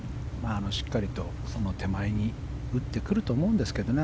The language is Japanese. しっかりとその手前に打ってくると思うんですけどね。